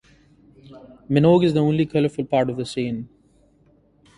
Minogue is the only colourful part of the scene.